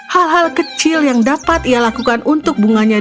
hal hal kecil yang dapat ia lakukan untuk bunganya